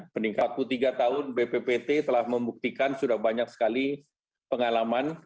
meningkat puluh tiga tahun bppt telah membuktikan sudah banyak sekali pengalaman